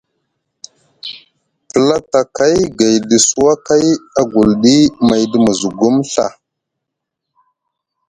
Platakay gayɗi suwakay agulɗi mayɗi musgum Ɵa.